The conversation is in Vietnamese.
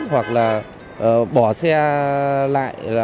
hoặc là bỏ xe lại